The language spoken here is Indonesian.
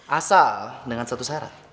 asal dengan satu syarat